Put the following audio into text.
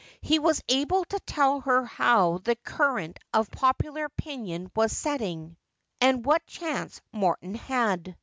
He was able to tell her how the current of popular opinion was setting, and what chance Morton had.